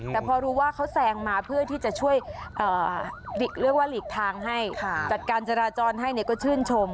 แต่พอรู้ว่าเขาแซงมาเพื่อที่จะช่วยเรียกว่าหลีกทางให้จัดการจราจรให้ก็ชื่นชม